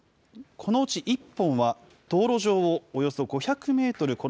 このうち１本は、道路上をおよそ５００メートル